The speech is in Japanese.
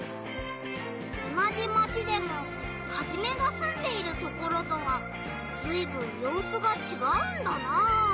おなじマチでもハジメがすんでいるところとはずいぶんようすがちがうんだな。